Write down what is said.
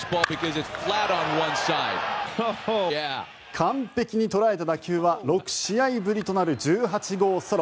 完璧に捉えた打球は６試合ぶりとなる１８号ソロ。